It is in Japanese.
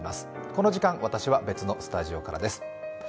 この時間、私は別のスタジオからです。